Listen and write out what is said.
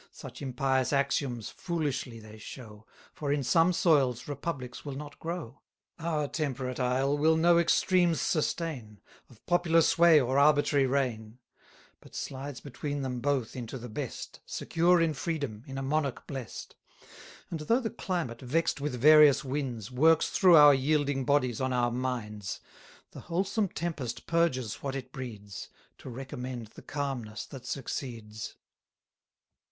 Such impious axioms foolishly they show, For in some soils republics will not grow: Our temperate isle will no extremes sustain, Of popular sway or arbitrary reign; But slides between them both into the best, 250 Secure in freedom, in a monarch blest: And though the climate, vex'd with various winds, Works through our yielding bodies on our minds. The wholesome tempest purges what it breeds, To recommend the calmness that succeeds.